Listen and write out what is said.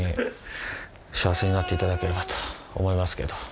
幸せになっていただければと思いますけど。